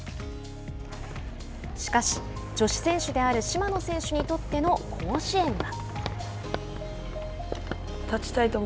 しかし、女子選手である島野選手にとっての甲子園は。